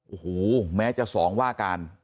โอ้โหแม้จะสองว่าการ